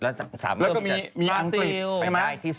แล้วก็มีอังกฤษ